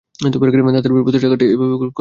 তারপরের প্রতিটা কার্ড এভাবে করবে, বুঝেছ।